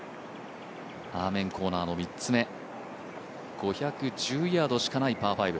アーメンコーナーの３つ目、５１０ヤードしかないパー５。